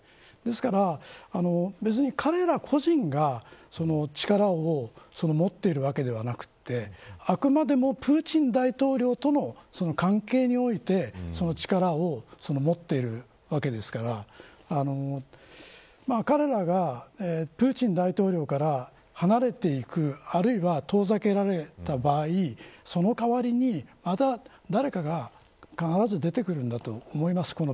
ですから、彼ら個人が力を持っているわけではなくてあくまでもプーチン大統領との関係においてその力を持っているわけですから彼らがプーチン大統領から離れていくあるいは遠ざけられた場合その代わりに、また誰かが必ず出てくるんだと思います。